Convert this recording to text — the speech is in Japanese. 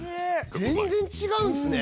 全然違うんですね！